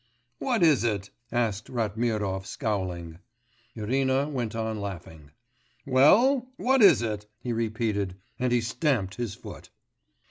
'What is it?' asked Ratmirov scowling. Irina went on laughing. 'Well, what is it?' he repeated, and he stamped his foot.